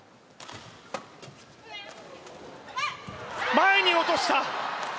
前に落とした！